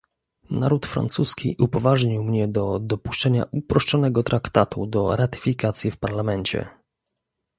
Naród francuski upoważnił mnie do dopuszczenia uproszczonego Traktatu do ratyfikacji w Parlamencie